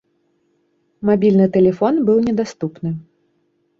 Мабільны тэлефон быў недаступны.